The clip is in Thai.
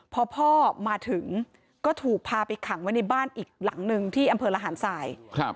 พอพ่อมาถึงก็ถูกพาไปขังไว้ในบ้านอีกหลังหนึ่งที่อำเภอระหารสาย